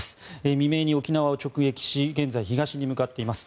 未明に沖縄を直撃し現在、東に向かっています。